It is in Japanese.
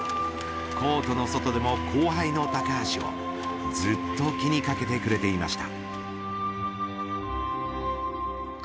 コートの外でも後輩の高橋をずっと気にかけてくれていました。